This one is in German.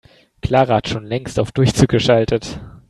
Clara hat schon längst auf Durchzug geschaltet.